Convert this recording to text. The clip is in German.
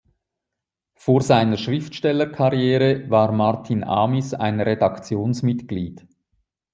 Vor seiner Schriftstellerkarriere war Martin Amis ein Redaktionsmitglied.